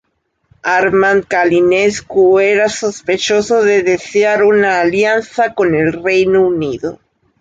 Armand Călinescu era sospechoso de desear una alianza con el Reino Unido.